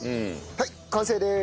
はい完成です。